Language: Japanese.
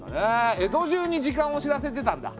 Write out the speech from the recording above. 江戸じゅうに時間を知らせてたんだ。